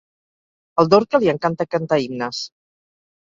Al Dorca li encanta cantar himnes.